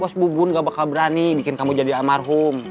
bos bubun gak bakal berani bikin kamu jadi almarhum